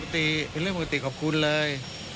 ตีเป็นเรื่องปกติขอบคุณเลย